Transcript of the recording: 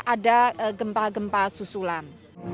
ada gempa gempa susulan